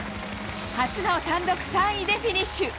初の単独３位でフィニッシュ。